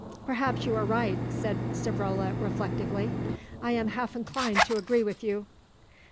"Perhaps you are right," said Savrola reflectively, "I am half inclined to agree with you."